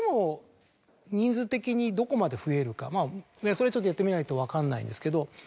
それはちょっとやってみないと分かんないんですけど。